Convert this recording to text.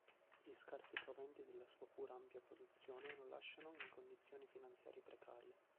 Gli scarsi proventi della sua pur ampia produzione lo lasciano in condizioni finanziarie precarie.